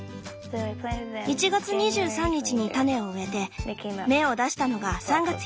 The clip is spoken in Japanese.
１月２３日に種を植えて芽を出したのが３月４日。